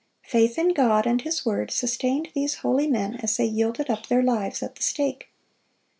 Faith in God and His word sustained these holy men as they yielded up their lives at the stake.